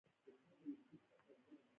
د کورنیو د ژوند کیفیت له دې لارې ښه کیږي.